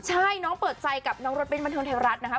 ใช่น้องเปิดใจกับน้องรถเบ้นบันเทิงไทยรัฐนะคะ